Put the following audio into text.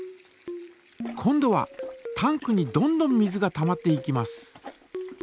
今度はタンクにどんどん水がたまっていきます。